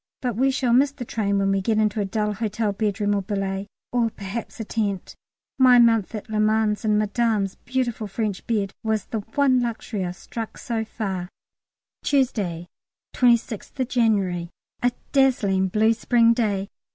But we shall miss the train when we get into a dull hotel bedroom or a billet, or perhaps a tent. My month at Le Mans in Madame's beautiful French bed was the one luxury I've struck so far. Tuesday, 26th January. A dazzling blue spring day.